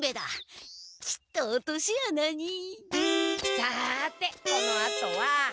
さてこのあとは。